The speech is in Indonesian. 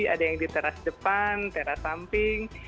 ada yang di teras depan teras samping